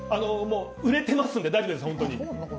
売れてますので大丈夫です、本当に。